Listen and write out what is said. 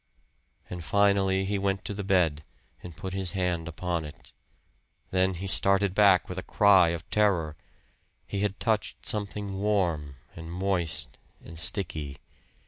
And finally he went to the bed, and put his hand upon it. Then he started back with a cry of terror. He had touched something warm and moist and sticky.